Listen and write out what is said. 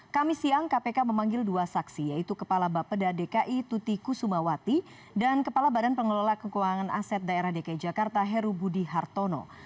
kami siang kpk memanggil dua saksi yaitu kepala bapeda dki tuti kusumawati dan kepala badan pengelola keuangan aset daerah dki jakarta heru budi hartono